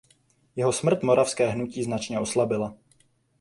Jeho smrt moravské hnutí značně oslabila.